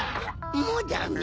もうダメ。